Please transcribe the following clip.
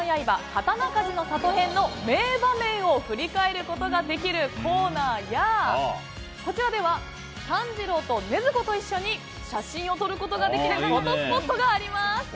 刀鍛冶の里編」の名場面を振り返ることができるコーナーや炭治郎と禰豆子と一緒に写真を撮ることができるフォトスポットもあります。